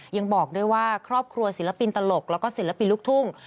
ยังบอกด้วยว่าครอบครัวศิลปินตลกแล้วก็ศิลปินลูกทุ่ง